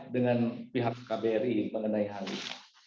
dengan pihak kbri mengenai hal ini